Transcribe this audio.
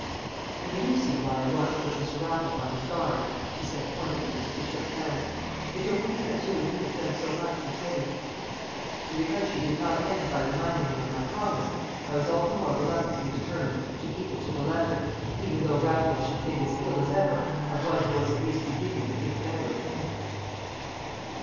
"And you do see why I want to put Mr. Raffles on his guard?" she said pointedly as we shook hands. "It's only because you and he have done so much for Teddy!" And because she did not end by reminding me of my promise, I was all the more reluctantly determined to keep it to the letter, even though Raffles should think as ill as ever of one who was at least beginning to think better of him.